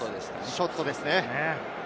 ショットですね。